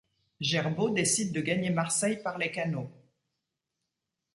Gerbault décide de gagner Marseille par les canaux.